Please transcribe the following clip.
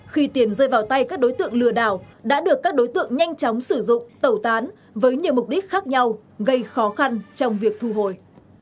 khi tiền rơi vào tay các đối tượng lừa đảo đã được các đối tượng nhanh chóng sử dụng tẩu tán với nhiều mục đích khác nhau gây khó khăn trong việc thu hồi